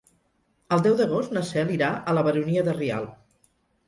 El deu d'agost na Cel irà a la Baronia de Rialb.